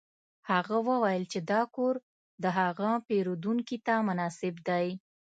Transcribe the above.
هغه وویل چې دا کور د هغه پیرودونکي ته مناسب دی